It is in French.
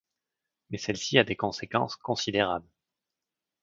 Mais celle-ci a des conséquences considérables.